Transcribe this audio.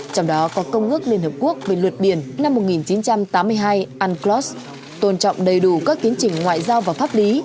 trong đó có công ước liên hợp quốc về luật biển năm một nghìn chín trăm tám mươi hai unclos tôn trọng đầy đủ các tiến trình ngoại giao và pháp lý